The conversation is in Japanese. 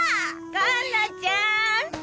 カンナちゃん。